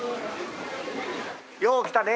よう来たね。